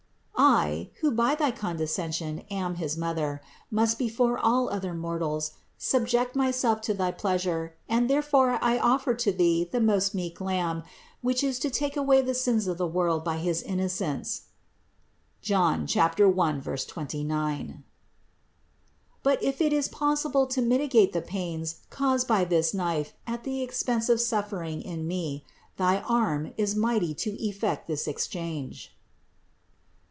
I, who by thy condescension am his Mother, must before all other mortals subject myself to thy pleasure and therefore I offer to Thee the most meek Lamb, which is to take away the sins of the world by his innocence (John 1, 29). But if it is possible to mitigate the pains caused by this knife at the expense of suffering in me, thy arm is mighty to effect this exchange."